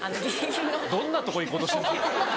どんなとこ行こうとしてんの？